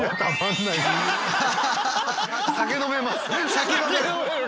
酒飲める。